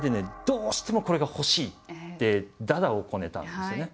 「どうしてもこれが欲しい」ってだだをこねたんですよね。